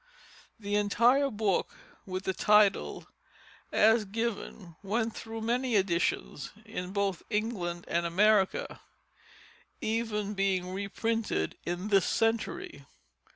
The entire book with the title as given went through many editions both in England and America, even being reprinted in this century.